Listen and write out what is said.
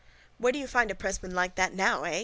—Where do you find a pressman like that now, eh?